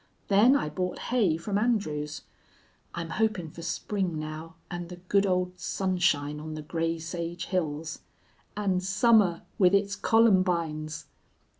Then I bought hay from Andrews. I'm hoping for spring now, and the good old sunshine on the gray sage hills. And summer, with its columbines!